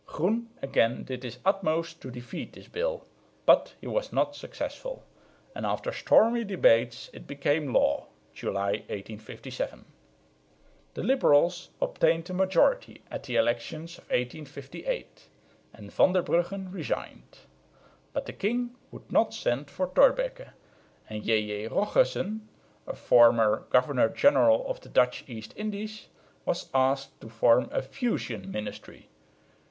Groen again did his utmost to defeat this bill, but he was not successful; and after stormy debates it became law (July, 1857). The liberals obtained a majority at the elections of 1858, and Van der Brugghen resigned. But the king would not send for Thorbecke; and J.J. Rochussen, a former governor general of the Dutch East Indies, was asked to form a "fusion" ministry.